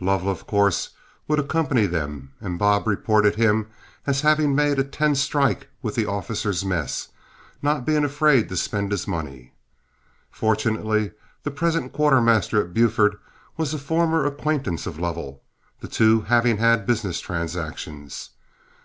Lovell, of course, would accompany them, and Bob reported him as having made a ten strike with the officers' mess, not being afraid to spend his money. Fortunately the present quartermaster at Buford was a former acquaintance of Lovell, the two having had business transactions.